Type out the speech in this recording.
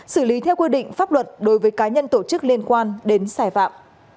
xử lý theo quy định pháp luật đối với cá nhân tổ chức liên quan đến sai phạm